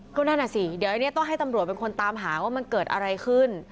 ก็นั่นน่ะสิเดี๋ยวอันนี้ต้องให้ตำรวจเป็นคนตามหาว่ามันเกิดอะไรขึ้น